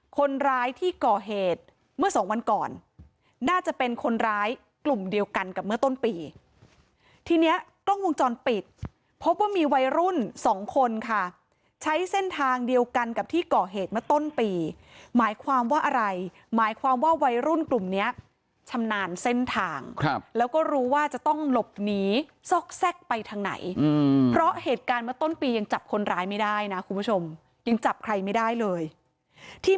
คนร้ายที่ก่อเหตุเมื่อสองวันก่อนน่าจะเป็นคนร้ายกลุ่มเดียวกันกับเมื่อต้นปีทีเนี้ยกล้องวงจรปิดพบว่ามีวัยรุ่นสองคนค่ะใช้เส้นทางเดียวกันกับที่ก่อเหตุเมื่อต้นปีหมายความว่าอะไรหมายความว่าวัยรุ่นกลุ่มเนี้ยชำนาญเส้นทางครับแล้วก็รู้ว่าจะต้องหลบหนีซอกแทรกไปทางไหนเพราะเหตุการณ์เมื่อต้นปียังจับคนร้ายไม่ได้นะคุณผู้ชมยังจับใครไม่ได้เลยที่